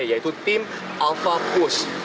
yaitu tim alfapus